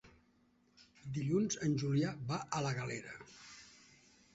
Dilluns en Julià va a la Galera.